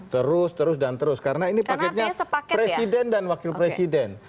terus terus dan terus karena ini paketnya presiden dan wakil presiden